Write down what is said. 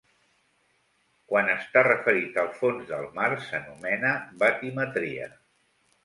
Quan està referit al fons del mar s'anomena batimetria.